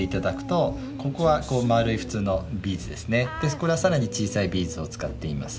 これはさらに小さいビーズを使っています。